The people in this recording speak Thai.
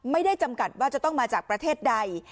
จำกัดว่าจะต้องมาจากประเทศใด